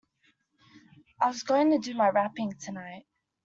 I was going to do my wrapping tonight.